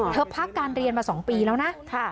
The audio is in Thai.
พักการเรียนมา๒ปีแล้วนะ